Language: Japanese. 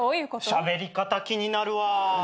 しゃべり方気になるわ。